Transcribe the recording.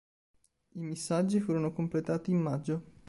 I missaggi furono completati in maggio.